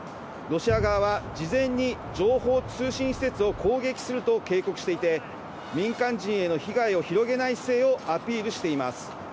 ロシア側は、事前に情報・通信施設を攻撃すると警告していて、民間人への被害を広げない姿勢をアピールしています。